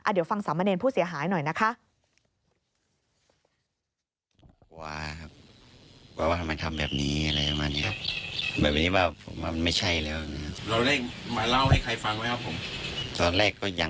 เดี๋ยวฟังสามเณรผู้เสียหายหน่อยนะคะ